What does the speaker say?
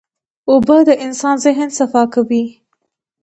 اوبه د انسان ذهن صفا کوي.